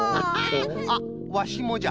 あっワシもじゃ。